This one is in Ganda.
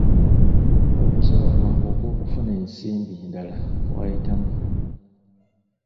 Okusaba kwange okw'okufuna ensimbi endala kwayitamu.